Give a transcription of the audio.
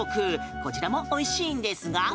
こちらもおいしいんですが。